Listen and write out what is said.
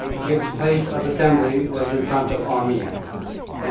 Its place of assembly was in front of Amiens."